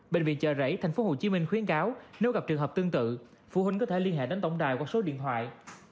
bệnh viện chợ rẫy tp hcm khuyến cáo nếu gặp trường hợp tương tự phụ huynh có thể liên hệ đến tổng đài qua số điện thoại